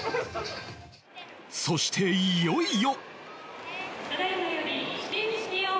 そしていよいよ